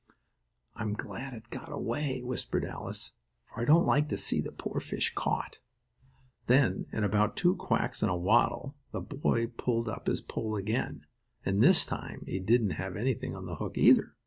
"I'm glad it got away," whispered Alice, "for I don't like to see the poor fish caught." Then, in about two quacks and a waddle, the boy pulled up his pole again, and this time he didn't have anything on the hook, either.